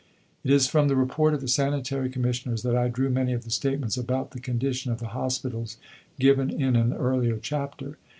" It is from the Report of the Sanitary Commissioners that I drew many of the statements about the condition of the hospitals given in an earlier chapter.